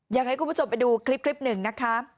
อยากให้คุณผู้ชมไปดูคลิปหนึ่งนะคะ